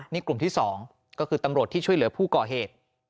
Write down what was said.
นี่กลุ่มที่๒ก็คือตำรวจที่ช่วยเหลือผู้ก่อเหตุ